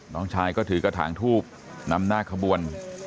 น้องชายก็ถือกระถางทูบนำหน้าขบวน